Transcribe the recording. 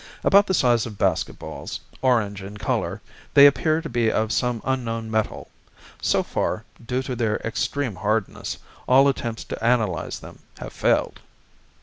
About the size of baseballs, orange in color, they appear to be of some unknown metal. So far, due to their extreme hardness, all attempts to analyze them have failed.